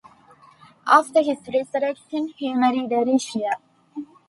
After his resurrection, he married Aricia.